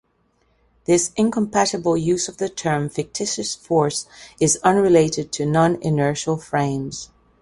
This incompatible use of the term "fictitious force" is unrelated to non-inertial frames.